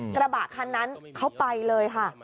กระบะคันนั้นเขาไปเลยค่ะ